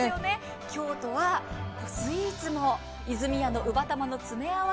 京都はスイーツも井津美屋のうば玉詰め合わせ。